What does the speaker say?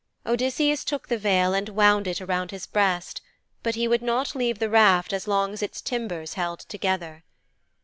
Odysseus took the veil and wound it around his breast, but he would not leave the raft as long as its timbers held together.